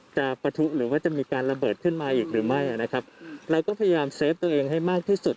ประทุหรือว่าจะมีการระเบิดขึ้นมาอีกหรือไม่นะครับเราก็พยายามเซฟตัวเองให้มากที่สุด